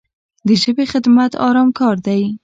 د ژبې خدمت ارام کار دی.